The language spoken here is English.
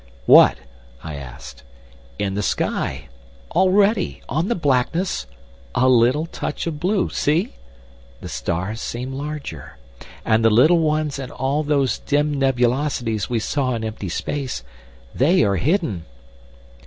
"What?" I asked. "In the sky. Already. On the blackness—a little touch of blue. See! The stars seem larger. And the little ones and all those dim nebulosities we saw in empty space—they are hidden!"